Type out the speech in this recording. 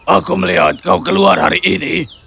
aku melihat kau keluar hari ini